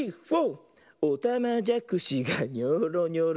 「おたまじゃくしがニョーロニョロ」